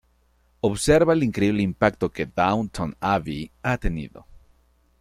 Observa el increíble impacto que "Downton Abbey" ha tenido aquí.